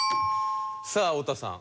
さあ太田さん。